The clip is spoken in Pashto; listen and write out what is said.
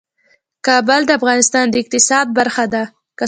کابل د افغانستان د اقتصاد برخه ده.